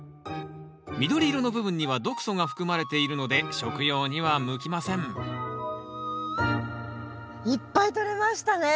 緑色の部分には毒素が含まれているので食用には向きませんいっぱいとれましたね。